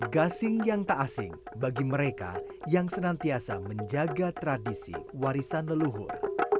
gasing yang tak asing bagi mereka yang senantiasa menjaga tradisi warisan leluhur